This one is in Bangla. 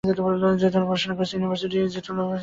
পড়াশোনা করেছেন ইউনিভার্সিটি অফ এডিনবরায়।